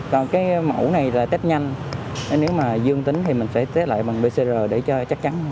còn cái mẫu này là test nhanh nếu mà dương tính thì mình sẽ tế lại bằng bcr để cho chắc chắn